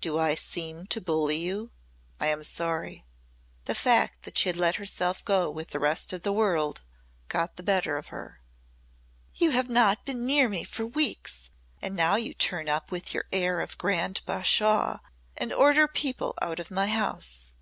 "Do I seem to bully you? I am sorry." The fact that she had let herself go with the rest of the world got the better of her. "You have not been near me for weeks and now you turn up with your air of a grand Bashawe and order people out of my house.